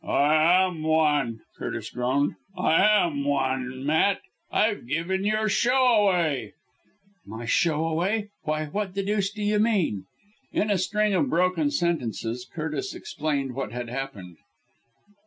"I am one!" Curtis groaned. "I am one, Matt! I've given your show away." "My show away! Why, what the deuce do you mean?" In a string of broken sentences Curtis explained what had happened.